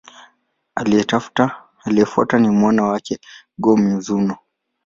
Aliyemfuata ni mwana wake, Go-Mizunoo.